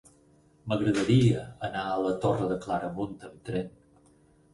M'agradaria anar a la Torre de Claramunt amb tren.